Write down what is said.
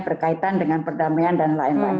berkaitan dengan perdamaian dan lain lain